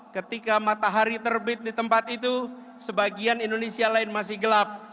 ketika matahari terbit di tempat itu sebagian indonesia lain masih gelap